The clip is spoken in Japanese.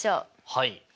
はい。